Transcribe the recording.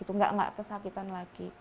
nggak kesakitan lagi